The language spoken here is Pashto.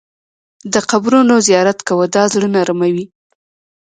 د قبرونو زیارت کوه، دا زړه نرموي.